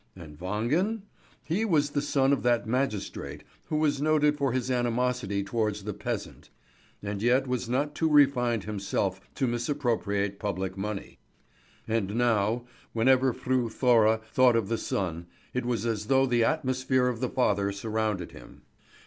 And Wangen? He was the son of that magistrate who was noted for his animosity towards the peasant, and yet was not too refined himself to misappropriate public money; and now, whenever Fru Thora thought of the son, it was as though the atmosphere of the father surrounded him.